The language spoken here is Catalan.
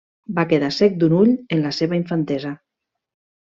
Va quedar cec d'un ull en la seva infantesa.